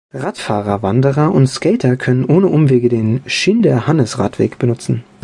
Radfahrer, Wanderer und Skater können ohne Umwege den Schinderhannes-Radweg benutzen.